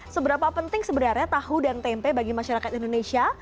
seberapa penting sebenarnya tahu dan tempe bagi masyarakat indonesia